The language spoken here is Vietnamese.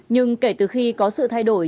nhưng kể từ khi có sự thay đổi